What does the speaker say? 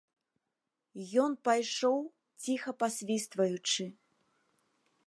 Ён пайшоў, ціха пасвістваючы.